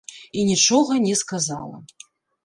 І нічога не сказала.